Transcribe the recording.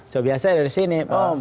so biasanya dari sini